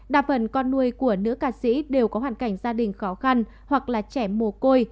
đa phần con nuôi của nữ ca sĩ đều có hoàn cảnh gia đình khó khăn hoặc là trẻ mồ côi